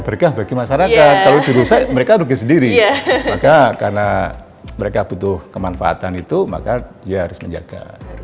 berkah bagi masyarakat kalau dirusak mereka rugi sendiri maka karena mereka butuh kemanfaatan itu maka dia harus menjaga